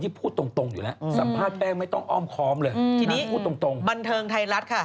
ทีนี้บันเทิงไทยรัฐค่ะ